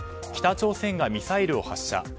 北朝鮮がミサイルを発射。